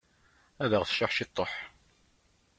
Ad aɣ-tcuḥ ciṭuḥ.